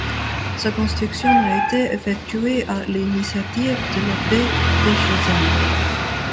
Sa construction a été effectuée à l'initiative de l'abbé Dechézelle.